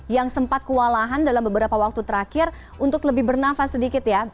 yang sempat kewalahan dalam beberapa waktu terakhir untuk lebih bernafas sedikit ya